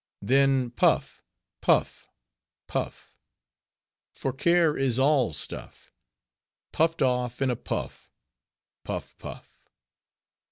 Then puff, puff, puff; For care is all stuff, Puffed off in a puff:— Puff! Puff!